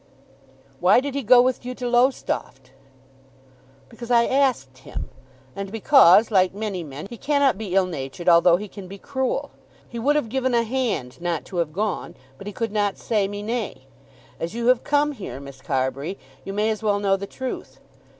"Why did he go with you to Lowestoft?" "Because I asked him, and because, like many men, he cannot be ill natured although he can be cruel. He would have given a hand not to have gone, but he could not say me nay. As you have come here, Miss Carbury, you may as well know the truth.